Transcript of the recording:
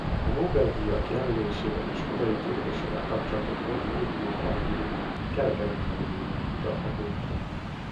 A Nobel-díjak jelölésével és odaítélésével kapcsolatos dokumentumok archívuma kereken ötven évig nem kutatható.